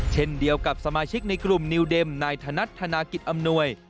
เช่นเดียวกับสมาชิกในกลุ่มนิวเด็มนายธนัดธนากิจอำนวย